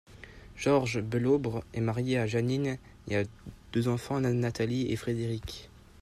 Georges Belaubre est marié à Jeanine et a deux enfants Natalie et Frédéric.